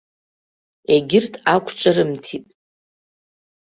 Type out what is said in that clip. Егьырҭ ақәҿырымҭит.